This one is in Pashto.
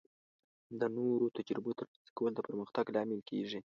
د نوو تجربو ترلاسه کول د پرمختګ لامل کیږي.